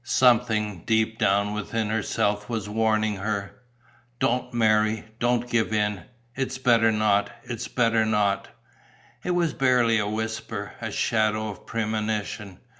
Something deep down within herself was warning her: "Don't marry, don't give in. It's better not, it's better not." It was barely a whisper, a shadow of premonition.